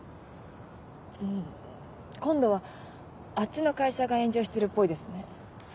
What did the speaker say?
うん今度はあっちの会社が炎上してるっぽいですね。